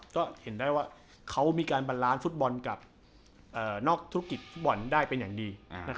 ก็เห็นได้ว่าเขามีการบันล้านฟุตบอลกับนอกธุรกิจฟุตบอลได้เป็นอย่างดี